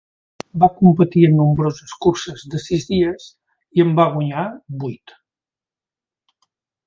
Va competir en nombroses curses de sis dies i en va guanyar vuit.